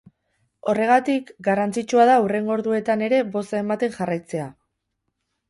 Horregatik, garrantzitsua da hurrengo orduetan ere boza ematen jarraitzea.